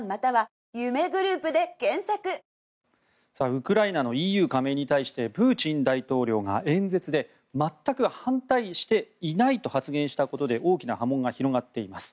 ウクライナのＥＵ加盟に対してプーチン大統領が演説で全く反対していないと発言したことで大きな波紋が広がっています。